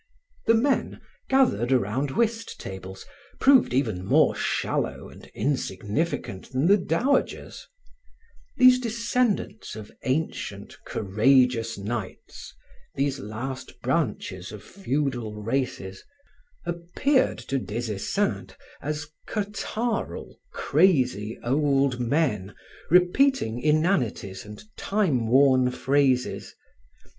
The men, gathered around whist tables, proved even more shallow and insignificant than the dowagers; these descendants of ancient, courageous knights, these last branches of feudal races, appeared to Des Esseintes as catarrhal, crazy, old men repeating inanities and time worn phrases.